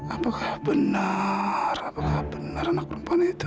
apakah benar apakah benar anak perempuan itu